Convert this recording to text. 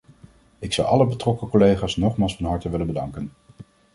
Ik zou alle betrokken collega's nogmaals van harte willen bedanken.